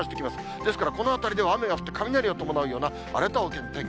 ですからこのあたりでは雨が降って、雷を伴うような荒れたお天気。